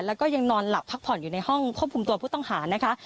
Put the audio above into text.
แล้วก็ยังนอนหลับพักผ่อนอยู่ในห้องควบคุมตัวผู้ต้องหานะคะ